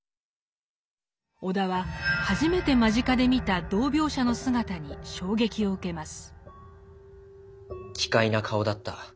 尾田は初めて間近で見た同病者の姿に衝撃を受けます。